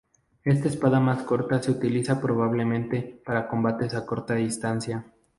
Esta espada más corta se utilizaba probablemente para combates a corta distancia.